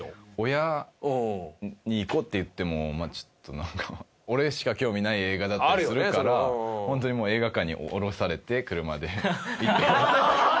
親に行こうって言ってもまあちょっとなんか俺しか興味ない映画だったりするからホントにもう映画館に降ろされて車で。